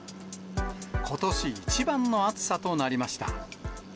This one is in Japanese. ことし一番の暑さとなりました。